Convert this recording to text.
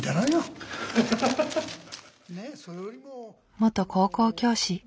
元高校教師。